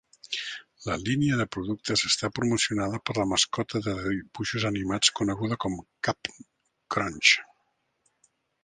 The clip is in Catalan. La línia de productes està promocionada per la mascota de dibuixos animats coneguda com Cap'n Crunch.